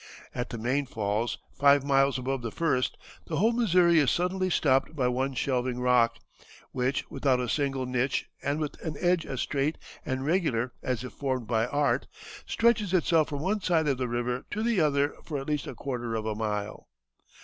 At the main falls, five miles above the first, "the whole Missouri is suddenly stopped by one shelving rock, which without a single niche and with an edge as straight and regular as if formed by art, stretches itself from one side of the river to the other for at least a quarter of a mile.